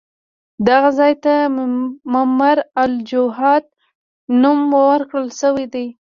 دغه ځای ته ممر الوجحات نوم ورکړل شوی دی.